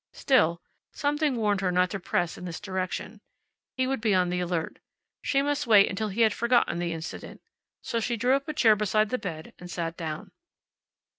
Still, something warned her not to press in this direction. He would be on the alert. She must wait until he had forgotten the incident. So she drew up a chair beside the bed and sat down.